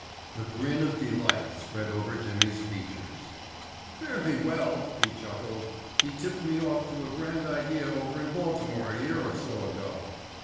A grin of delight spread over Jimmy's features. "Fairly well," he chuckled. "He tipped me off to a grand idea over in Baltimore a year or so ago.